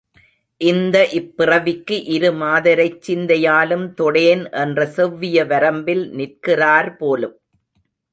இந்த இப்பிறவிக்கு இரு மாதரைச் சிந்தையாலும் தொடேன் என்ற செவ்விய வரம்பில் நிற்கிறார் போலும்.